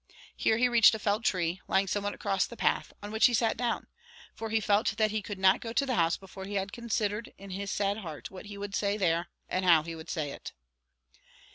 Here he reached a felled tree, lying somewhat across the path, on which he sat down; for he felt that he could not go to the house before he had considered, in his sad heart, what he would say there, and how he would say it.